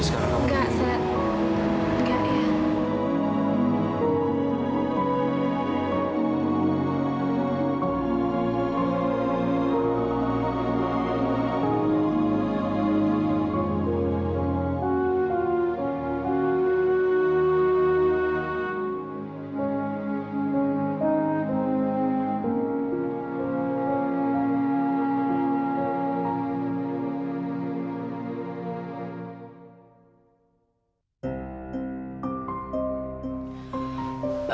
oke aku bisa